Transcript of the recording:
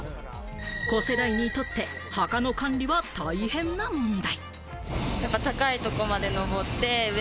子世代にとって、墓の管理は大変な問題。